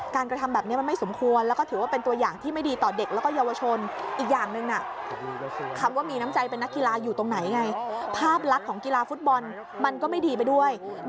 การกระทำแบบนี้มันไม่สมควร